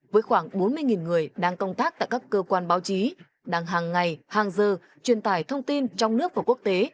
với khoảng bốn mươi người đang công tác tại các cơ quan báo chí đang hàng ngày hàng giờ truyền tải thông tin trong nước và quốc tế